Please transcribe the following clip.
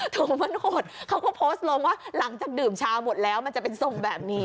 ถุงมันโหดเขาก็โพสต์ลงว่าหลังจากดื่มชาหมดแล้วมันจะเป็นทรงแบบนี้